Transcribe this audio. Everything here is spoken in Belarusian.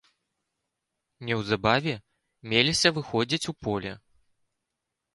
Неўзабаве меліся выходзіць у поле.